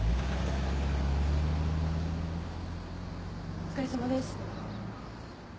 お疲れさまです。